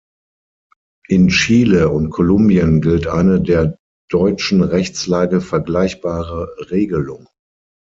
In Chile und Kolumbien gilt eine der deutschen Rechtslage vergleichbare Regelung.